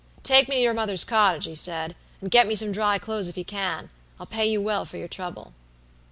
"'Take me to your mother's cottage,' he said, 'and get me some dry clothes if you can; I'll pay you well for your trouble.'